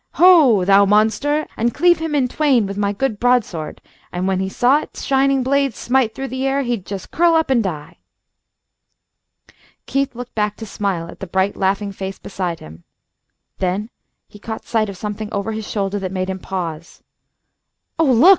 Ho! Thou monster!' and cleave him in twain with my good broadsword, and when he saw its shining blade smite through the air he'd just curl up and die." Keith looked back to smile at the bright laughing face beside him. Then he caught sight of something over his shoulder that made him pause. "Oh, look!"